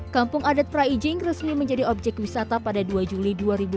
kampung adat praijing resmi menjadi objek wisata pada dua juli dua ribu delapan belas